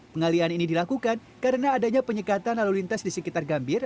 pengalian ini dilakukan karena adanya penyekatan lalu lintas di sekitar gambir